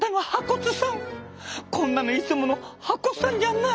こんなのいつもの破骨さんじゃない！